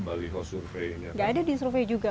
balik host surveinya nggak ada disurvey juga